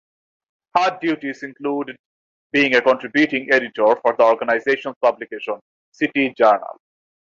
Her duties included being a contributing editor for the organization's publication, "City Journal".